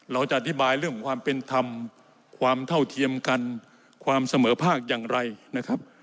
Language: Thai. เราจะอธิบายเรื่องของความเป็นธรรมความเท่าเทียมกันความเสมอภาคอย่างไรนะครับ